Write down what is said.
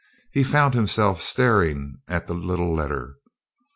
He found himself staring at the little letter.